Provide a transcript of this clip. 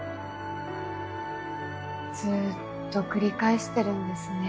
ずっと繰り返してるんですね